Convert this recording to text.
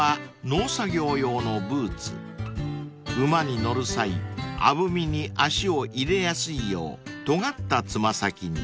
［馬に乗る際あぶみに足を入れやすいようとがった爪先に］